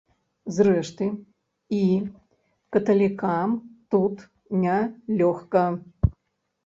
Зрэшты, і каталікам тут не лёгка.